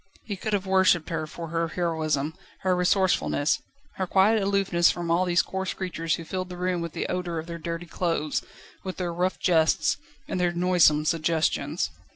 He could have worshipped her for her heroism, her resourcefulness, her quiet aloofness from all these coarse creatures who filled the room with the odour of their dirty clothes, with their rough jests, and their noisome suggestions.